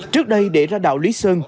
trước đây để ra đảo lý sơn